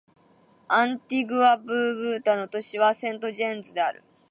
アンティグア・バーブーダの首都はセントジョンズである